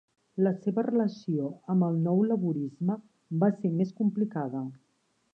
La seva relació amb el Nou Laborisme va ser més complicada.